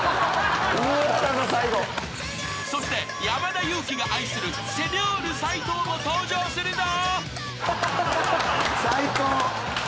［そして山田裕貴が愛するセニョール斎藤も登場するぞ］